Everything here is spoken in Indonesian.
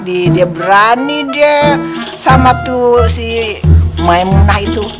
dia berani deh sama si maimunah itu